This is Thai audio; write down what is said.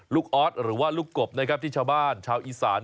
ออสหรือว่าลูกกบนะครับที่ชาวบ้านชาวอีสาน